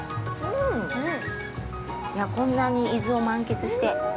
◆いや、こんなに伊豆を満喫して。